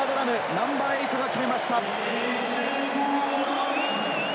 ナンバー８が決めました。